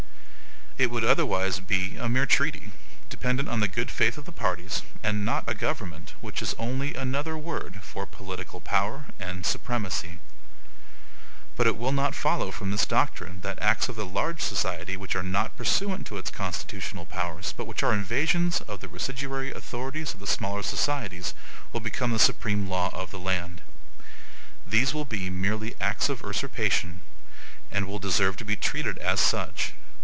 It would otherwise be a mere treaty, dependent on the good faith of the parties, and not a government, which is only another word for POLITICAL POWER AND SUPREMACY. But it will not follow from this doctrine that acts of the large society which are NOT PURSUANT to its constitutional powers, but which are invasions of the residuary authorities of the smaller societies, will become the supreme law of the land. These will be merely acts of usurpation, and will deserve to be treated as such.